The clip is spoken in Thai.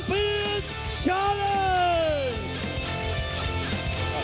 สวัสดีทุกคน